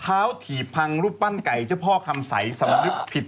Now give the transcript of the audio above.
เท้าถีบพังลูกปั้นไก่เฉพาะคำสวรรค์ผิด